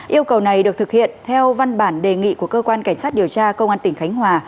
yêu cầu này được thực hiện theo văn bản đề nghị của cơ quan cảnh sát điều tra công an tỉnh khánh hòa